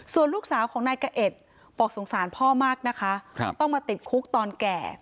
ส่วนลูกสาวของนายกะเอ็ดบอกสงสารพ่อมากนะคะต้องมาติดคุกตอนแก่